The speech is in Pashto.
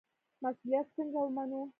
مسوولیت څنګه ومنو؟